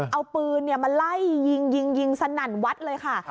เอาปืนมาไล่ยิงยิงสนั่นวัดเลยค่ะ